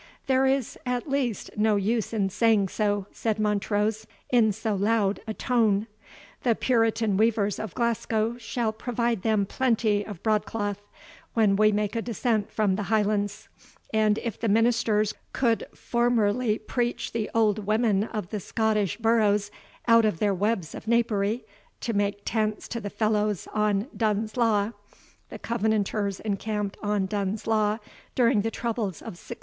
"There is at least no use in saying so," said Montrose, "in so loud a tone. The puritan weavers of Glasgow shall provide them plenty of broad cloth, when we make a descent from the Highlands; and if the ministers could formerly preach the old women of the Scottish boroughs out of their webs of napery, to make tents to the fellows on Dunse Law, [The Covenanters encamped on Dunse Law, during the troubles of 1639.